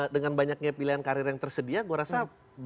dengan banyaknya pilihan karir yang tersedia gue rasa